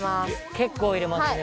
結構入れますね。